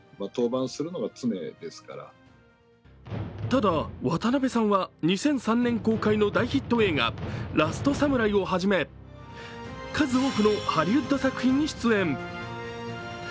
ただ、渡辺さんは２００３年公開の大ヒット映画「ラストサムライ」をはじめ数多くのハリウッド作品に出演。